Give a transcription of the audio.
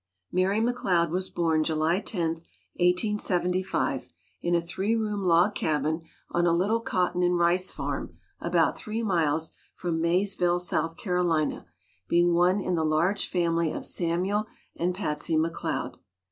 Mary McLeod was born July 10, 1875, in a three room log cabin on a little cotton and rice farm about three miles from Mayes ville, South Carolina, being one in the large family of Samuel and Patsy McLeod.